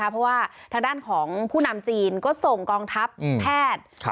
เพราะว่าทางด้านของผู้นำจีนก็ส่งกองทัพแพทย์